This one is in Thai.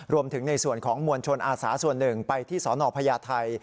รวมถึงในส่วนของมวลชนอาสาส่วนหนึ่งไปที่สนพญาไทย